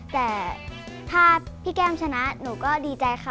แต่ถ้าพี่แก้มชนะหนูก็ดีใจค่ะ